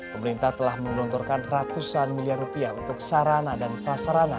pemerintah telah menggelontorkan ratusan miliar rupiah untuk sarana dan prasarana